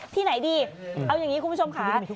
ที่ไหนดีเอาอย่างนี้คุณผู้ชมค่ะ